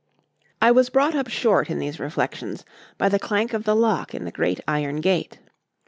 I was brought up short in these reflections by the clank of the lock in the great iron gate.